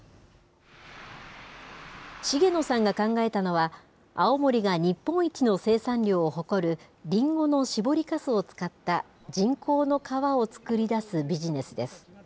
重野さんが考えたのは、青森が日本一の生産量を誇るりんごの搾りかすを使った人工の革を作り出すビジネスです。